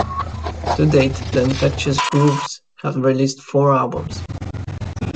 To date, the Infectious Grooves have released four albums.